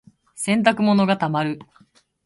洗濯物が溜まる。